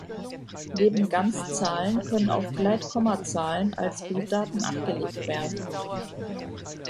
Neben Ganzzahlen können auch Gleitkommazahlen als Bilddaten abgelegt werden.